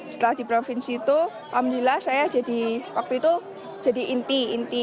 setelah di provinsi itu alhamdulillah saya jadi waktu itu jadi inti inti